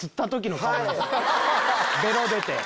ベロ出て。